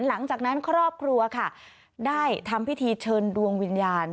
หลังจากนั้นครอบครัวค่ะได้ทำพิธีเชิญดวงวิญญาณ